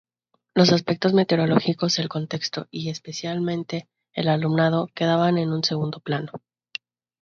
Los aspectos metodológicos, el contexto y, especialmente, el alumnado, quedaban en un segundo plano.